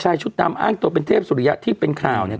ชุดดำอ้างตัวเป็นเทพสุริยะที่เป็นข่าวเนี่ย